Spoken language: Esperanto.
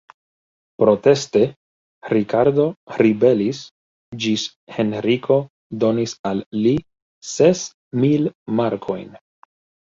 Proteste, Rikardo ribelis ĝis Henriko donis al li ses mil markojn.